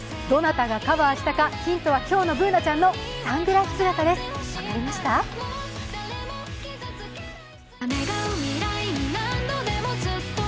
どなたがカバーしたか、ヒントは今日のＢｏｏｎａちゃんのサングラス姿です。